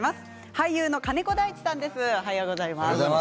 俳優の金子大地さんです。